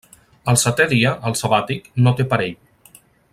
El setè dia, el sabàtic, no té parell.